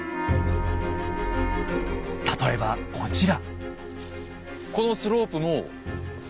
例えばこちら。